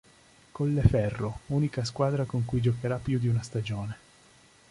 Colleferro, unica squadra con cui giocherà più di una stagione.